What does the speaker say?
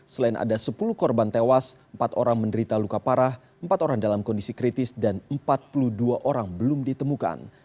selain ada sepuluh korban tewas empat orang menderita luka parah empat orang dalam kondisi kritis dan empat puluh dua orang belum ditemukan